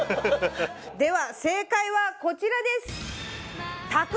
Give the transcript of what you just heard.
では正解はこちらです。